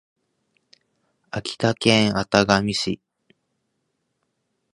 秋田県潟上市